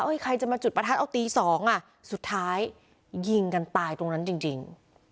เอ้ยใครจะมาจุดปะทัดอันตั้ง๑๔๒๕นิเวอร์สุดท้ายยิงกันตายตรงนั้นจริง